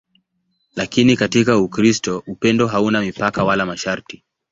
Lakini katika Ukristo upendo hauna mipaka wala masharti.